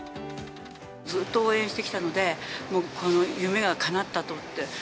ずっと応援してきたので、もうこの夢がかなったと思って。